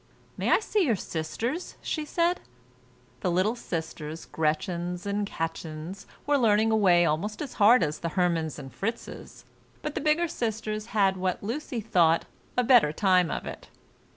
"May I see your sisters?" she said. The little sisters, Gretchens and Kätchens were learning away almost as hard as the Hermanns and Fritzes, but the bigger sisters had what Lucy thought a better time of it.